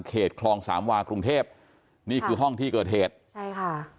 คลองสามวากรุงเทพนี่คือห้องที่เกิดเหตุใช่ค่ะ